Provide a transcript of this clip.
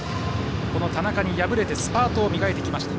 田中に敗れてスパートを磨いてきました。